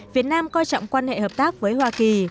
việt nam coi trọng quan hệ hợp tác với hoa kỳ